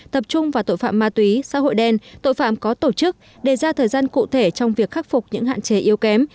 tập trung vào tội phạm ma túy xã hội đen tội phạm có tổ chức đề ra thời gian cụ thể trong việc khắc phục những hạn chế yếu kém